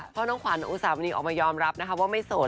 เพราะน้องขวัญอุสามณีออกมายอมรับนะคะว่าไม่โสด